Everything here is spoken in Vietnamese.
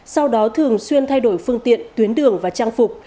sau đó thường xuyên thay đổi phương tiện tuyến đường và trang phục